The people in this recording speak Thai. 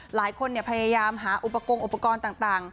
หลายคนพยายามหาอุปกรณ์อุปกรณ์ต่าง